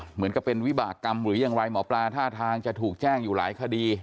หมอปลาท่าทางจะถูกแจ้งอยู่หลายคดี